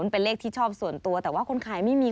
เป็นเลขที่ชอบส่วนตัวแต่ว่าคนขายไม่มี